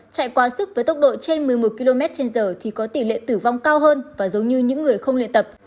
chạy quá sức với tốc độ trên một mươi một km trên giờ thì có tỷ lệ tử vong cao hơn và giống như những người không luyện tập